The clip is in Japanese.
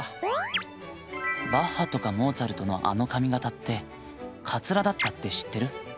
バッハとかモーツァルトのあの髪型ってカツラだったって知ってる？